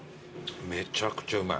めちゃくちゃうまい。